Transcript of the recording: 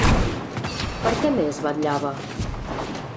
Per què més vetllava?